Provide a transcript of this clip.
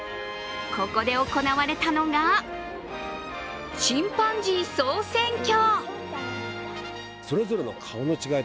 ここで行われたのがチンパンジー総選挙。